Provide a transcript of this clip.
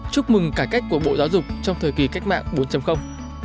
chúc mừng cải cách của bộ giáo dục trong thời kỳ cách mạng bốn